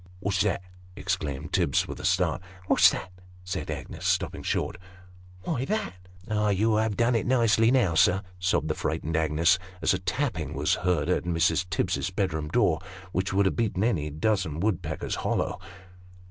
" What's that ?" exclaimed Tibbs, with a start. " What's what ?" said Agnes, stopping short. " Why, that !" "Ah! you have done it nicely now, sir," sobbed the frightened Agnes, as a tapping was hoard at Mrs. Tibbs's bedroom door, which would have beaten any dozen woodpeckers hollow.